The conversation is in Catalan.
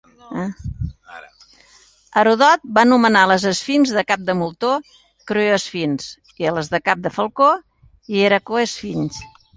Heròdot va anomenar les esfinxs de cap de moltó 'crioesfinxs' i a les de cap de falcó, 'hieracoesfinxs'.